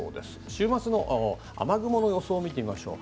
週末の雨雲の予想を見てみましょう。